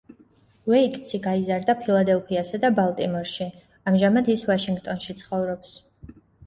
ვეიტცი გაიზარდა ფილადელფიასა და ბალტიმორში, ამჟამად ის ვაშინგტონში ცხოვრობს.